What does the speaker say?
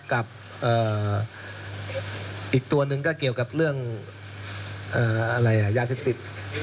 กับอีกตัวหนึ่งก็เกี่ยวกับเรื่องยาเสพติด